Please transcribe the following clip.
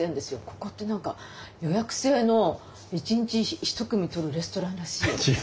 「ここって何か予約制の１日１組取るレストランらしいよ」とか。